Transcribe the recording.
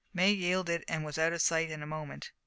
May yielded, and was out of sight in a moment.